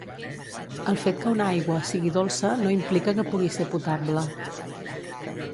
El fet que una aigua sigui dolça no implica que pugui ser potable.